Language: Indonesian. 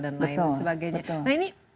dan lain sebagainya nah ini